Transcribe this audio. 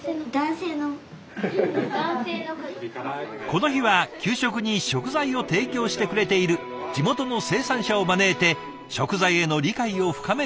この日は給食に食材を提供してくれている地元の生産者を招いて食材への理解を深める学習。